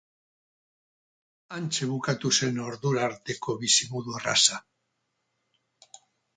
Hantxe bukatu zen ordura arteko bizimodu erraza.